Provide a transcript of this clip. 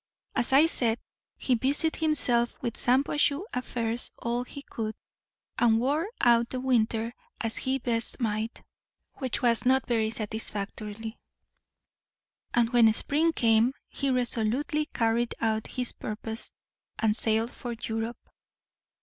As I said, he busied himself with Shampuashuh affairs all he could, and wore out the winter as he best might; which was not very satisfactorily. And when spring came he resolutely carried out his purpose, and sailed for Europe.